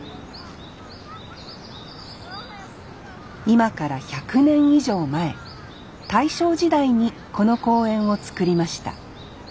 今から１００年以上前大正時代にこの公園を造りました。